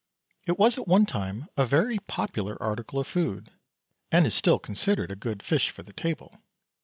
It was at one time a very popular article of food, and is still considered a good fish for the table.